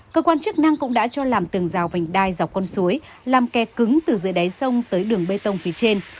cơ quan chức năng cũng đã cho làm tường rào vành đai dọc con suối làm kè cứng từ dưới đáy sông tới đường bê tông phía trên